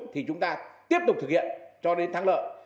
thì chúng ta tiếp tục thực hiện cho đến thắng lợi